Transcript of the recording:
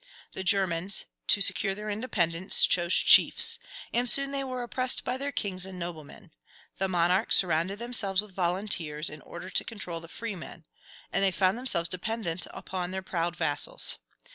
The Germans, to secure their independence, chose chiefs; and soon they were oppressed by their kings and noblemen. The monarchs surrounded themselves with volunteers, in order to control the freemen; and they found themselves dependent upon their proud vassals.